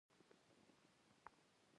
څنګه کولی شم په کور کې سبزیان کرم